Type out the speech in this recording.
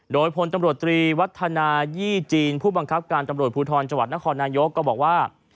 โดยพลตำรวจตรีวัฒนายี่จีนผู้บังคับการตำรวจภูทรจังหวัดนครนายกก็บอกว่า